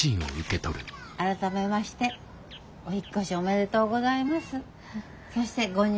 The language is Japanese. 改めましてお引っ越しおめでとうございます。